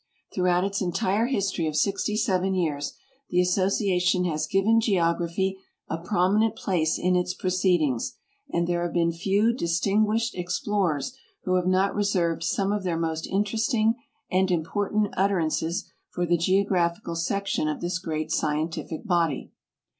Throughout its entire history of 67 years the Association has given geography a jirominent place in its proceedings, and there have been few distingui.shed ex plorers who have not reserved some of their most interesting and important utterances for the Geograidncal Section of this great scientific body.